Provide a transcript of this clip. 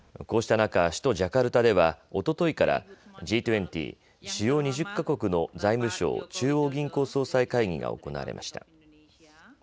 こうした中、首都ジャカルタではおとといからＧ２０・主要２０か国の財務相・中央銀行総裁会議が行われました。